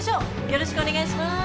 よろしくお願いします。